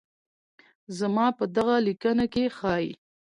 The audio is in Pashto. زما په دغه ليکنه کې ښايي